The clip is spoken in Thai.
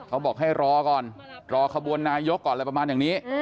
เขาบอกให้รอก่อนรอขบวนนายกก่อนอะไรประมาณอย่างนี้